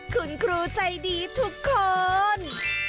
คุณครูใจดีทุกคน